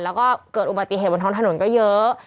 แล้วก็เกิดอุบัติเหตุบนท้องถนนก็เยอะ